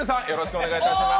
お願いします。